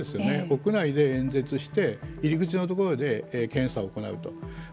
屋内で演説して入り口のところで検査を行うと。